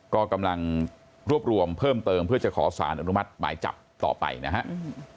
ก็กำลังรวบรวมเพิ่มเติมเพื่อจะขอสารอนุมัติหมายจับต่อไปนะครับ